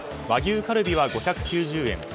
和牛カルビは５９０円